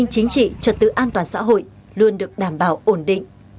tình hình an ninh chính trị trật tự an toàn xã hội luôn được đảm bảo ổn định